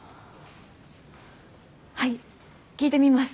はい聞いてみます。